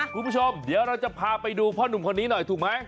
คุณผู้ชมเดี๋ยวเราจะพาไปดูพ่อนุ่มคนนี้หน่อยถูกไหม